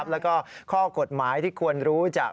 แล้วก็ข้อกฎหมายที่ควรรู้จาก